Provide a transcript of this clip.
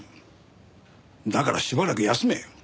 だからしばらく休め。